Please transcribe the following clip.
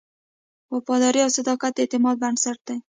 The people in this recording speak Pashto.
وفاداري او صداقت د اعتماد بنسټ دی.